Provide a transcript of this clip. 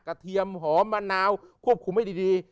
เทียมหอมมะนาวควบคุมให้ดี